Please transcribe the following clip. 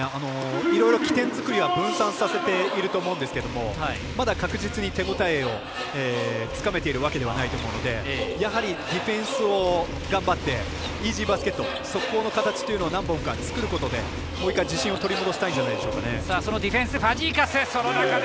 いろいろ起点作りは分散させていると思うんですけどまだ確実に手応えをつかめているわけではないと思うのでやはりディフェンスを頑張ってイージーバスケット速攻の形というのを何本か作ることで、もう一回自信を取り戻したいんじゃないでしょうか。